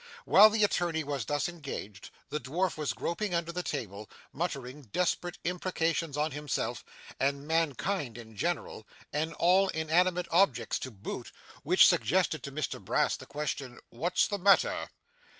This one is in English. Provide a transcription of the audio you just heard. While the attorney was thus engaged, the dwarf was groping under the table, muttering desperate imprecations on himself, and mankind in general, and all inanimate objects to boot, which suggested to Mr Brass the question, 'what's the matter?